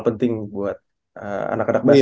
penting buat anak anak bangsa